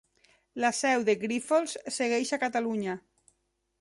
La seu de Grífols segueix a Catalunya.